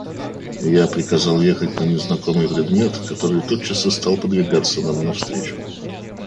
Я приказал ехать на незнакомый предмет, который тотчас и стал подвигаться нам навстречу.